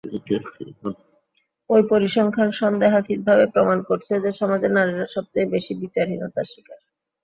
ওই পরিসংখ্যান সন্দেহাতীতভাবে প্রমাণ করছে যে সমাজে নারীরা সবচেয়ে বেশি বিচারহীনতার শিকার।